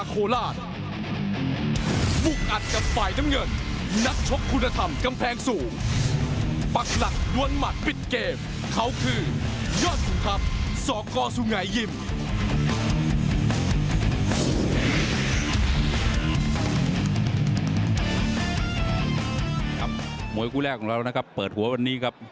มวยคู่แรกของเรานะครับเปิดหัววันนี้ครับ